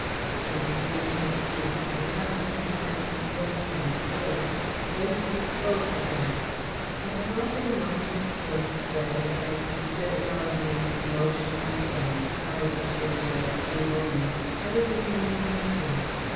He resumed his seat, and I, having now composed my face, raised it full to him. I have often wondered since whether, as he stood above me, motionless and silent during those few moments, I was in any danger.